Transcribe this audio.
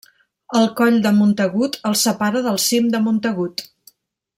El coll de Montagut el separa del cim de Montagut.